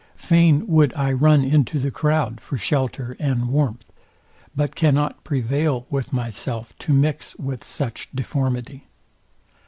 Fain would I run into the crowd for shelter and warmth; but cannot prevail with myself to mix with such deformity.